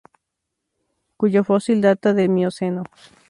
Cuyo fósil data del Mioceno.